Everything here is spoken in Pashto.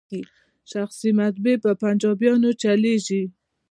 شخصي مطبعې په پنجابیانو چلیږي.